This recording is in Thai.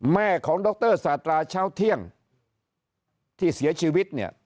แม่ของดรสาตราเช้าเที่ยงที่เสียชีวิตเนี่ย